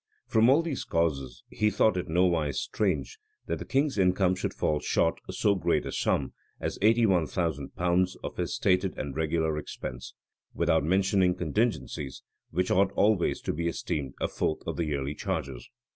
From all these causes he thought it nowise strange that the king's income should fall short so great a sum as eighty one thousand pounds of his stated and regular expense; without mentioning contingencies, which ought always to be esteemed a fourth of the yearly charges.